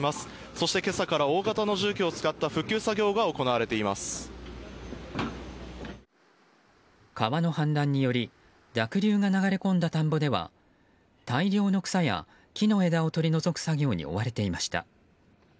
そして、今朝から大型の重機を使った川の氾濫により濁流が流れ込んだ田んぼでは大量の草や木の枝を取り除く作業に追われていました。